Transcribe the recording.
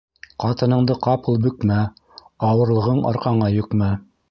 Ҡатыныңды ҡапыл бөкмә, ауырлығың арҡаңа йөкмә.